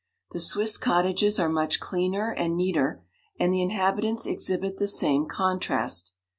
The Swiss cottages are much cleaner and neater, and the in habitants exhibit the same contrast.